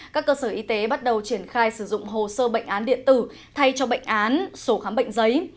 các cơ sở y tế bắt đầu triển khai sử dụng hồ sơ bệnh án điện tử thay cho bệnh án sổ khám bệnh giấy